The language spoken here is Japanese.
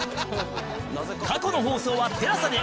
過去の放送は ＴＥＬＡＳＡ で